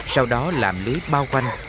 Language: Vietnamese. sau đó làm lưới bao quanh